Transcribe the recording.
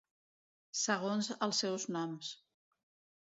segons els seus noms.